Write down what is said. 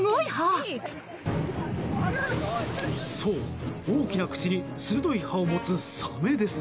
そう、大きな口に鋭い歯を持つサメです。